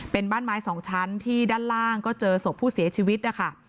เป็นบ้านไม้สองชั้นที่ด้านล่างก็เจอศพผู้เสียชีวิตนะคะ